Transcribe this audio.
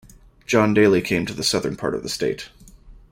John Daley came to the southern part of the state.